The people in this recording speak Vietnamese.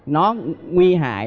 nó nguy hại